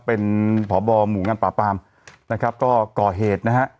เป็นพบหมู่งั้นปาร์บพาร์มนะครับก็ก่อเหตุนะฮะ